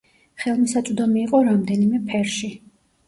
ხელმისაწვდომი იყო რამდენიმე ფერში.